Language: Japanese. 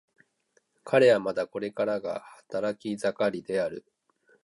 彼はまだこれからが働き盛りである。